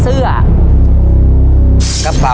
ชุดที่๔ห้อชุดที่๔